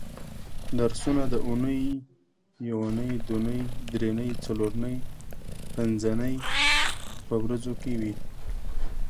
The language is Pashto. درسونه د اونۍ یونۍ دونۍ درېنۍ څلورنۍ پبنځنۍ په ورځو کې وي